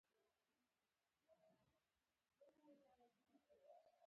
خلکو به ګډ تخصص زدکړې کولې.